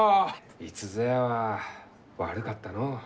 いつぞやは悪かったのう。